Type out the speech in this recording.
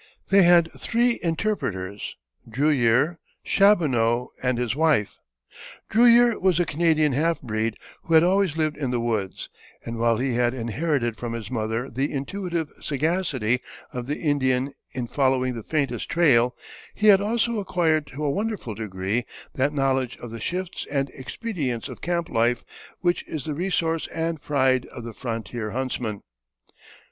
They had three interpreters Drewyer, Chaboneau, and his wife. Drewyer was a Canadian half breed who had always lived in the woods, and while he had inherited from his mother the intuitive sagacity of the Indian in following the faintest trail, he had also acquired to a wonderful degree that knowledge of the shifts and expedients of camp life which is the resource and pride of the frontier huntsman.